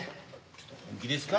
ちょっと本気ですか？